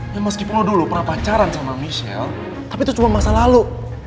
ya meskipun lo dulu pernah pacaran sama michelle tapi itu cuma masa lalu